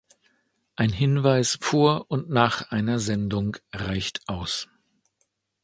Ein Hinweis vor und nach einer Sendung reicht aus.